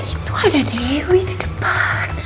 itu ada dewi di depan